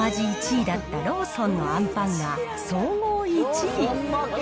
１位だったローソンのあんパンが、総合１位。